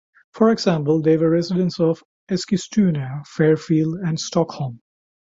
For example, they were residents of Eskilstuna, Fairfield and Stockholm.